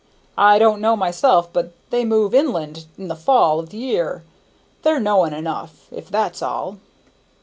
I don't know myself but they move inland in the fall of the year; they're knowing enough, if that's all!"